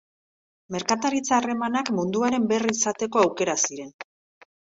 Merkataritza harremanak munduaren berri izateko aukera ziren.